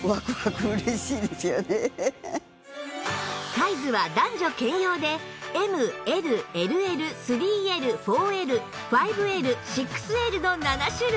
サイズは男女兼用で ＭＬＬＬ３Ｌ４Ｌ５Ｌ６Ｌ の７種類